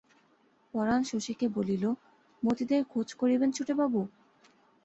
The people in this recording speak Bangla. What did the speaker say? পরাণ শশীকে বলিল, মতিদের খোঁজ করবেন ছোটবাবু?